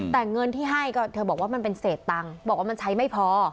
แต่เงินที่ให้ก็เธอบอกว่ามันเป็นเศษตังค์บอกว่ามันใช้ไม่พอ